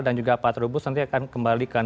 dan juga pak trubus nanti akan kembalikan